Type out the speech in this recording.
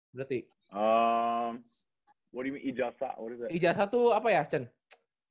berarti lu kalau misalnya nyebut ijasa berarti ijasa itu